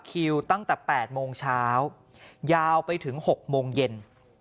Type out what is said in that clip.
คิวตั้งแต่๘โมงเช้ายาวไปถึง๖โมงเย็น